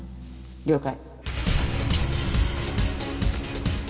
了解。